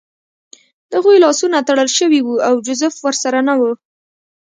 د هغوی لاسونه تړل شوي وو او جوزف ورسره نه و